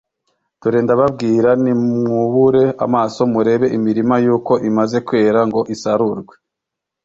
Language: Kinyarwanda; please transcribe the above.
’ Dore ndababwira, nimwubure amaso murebe imirima yuko imaze kwera ngo isarurwe